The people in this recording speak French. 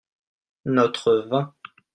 notre vin.